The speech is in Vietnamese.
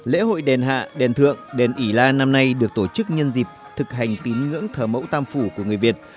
lễ hội đền hạ đền thượng đền ỉ la năm nay được tổ chức nhân dịp thực hành tín ngưỡng thờ mẫu tam phủ của người việt